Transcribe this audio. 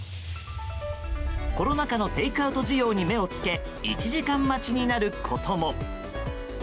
コロナ禍のテイクアウト需要に目を付け１時間待ちになることも。